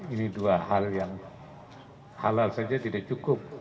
ini dua hal yang halal saja tidak cukup